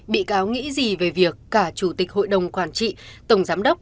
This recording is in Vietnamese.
bị cáo nghĩ gì về việc cả chủ tịch hội đồng quản trị tổng giám đốc